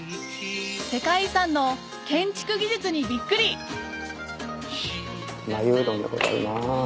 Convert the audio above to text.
世界遺産の建築技術にビックリ繭うどんでございます。